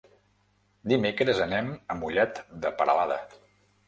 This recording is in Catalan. Dimecres anem a Mollet de Peralada.